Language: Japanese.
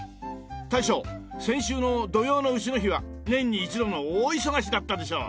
大将先週の土用の丑の日は年に一度の大忙しだったでしょ？